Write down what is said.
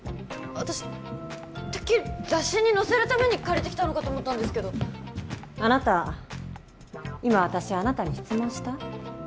私てっきり雑誌に載せるために借りてきたのかと思ったんですけどあなた今私あなたに質問した？